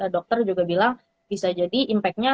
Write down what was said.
dokter juga bilang bisa jadi impactnya